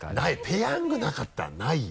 「ペヤング」なかったらないよ。